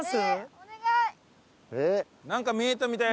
お願い！